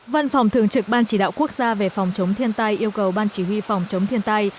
văn phòng thường trực ban chỉ đạo quốc gia về phòng chống thiên tai yêu cầu ban chỉ huy phòng chống thiên tai